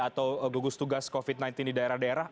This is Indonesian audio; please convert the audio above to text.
atau gugus tugas covid sembilan belas di daerah daerah